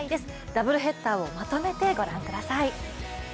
ダブルヘッダーをまとめて御覧ください。